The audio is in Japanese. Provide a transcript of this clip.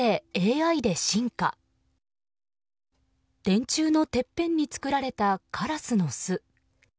電柱のてっぺんに作られたカラスの巣。